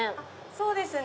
そうですね。